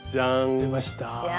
出ました。